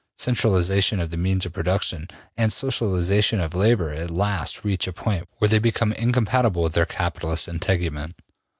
Centralization of the means of production and socialization of labor at last reach a point where they become incompatible with their capitalist integument.